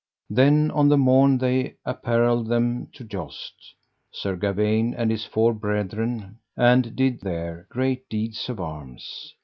Then on the morn they apparelled them to joust, Sir Gawaine and his four brethren, and did there great deeds of arms.